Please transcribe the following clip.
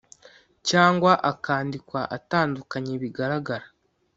cyangwa akandikwa atandukanye bigaragara